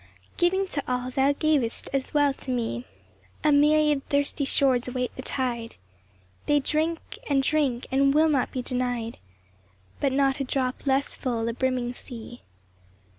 A. S~*IVING to all, thou gavest as well to me. A myriad thirsty shores await the tide: They drink and drink, and will not be denied ; But not a drop less full the brimming Sea.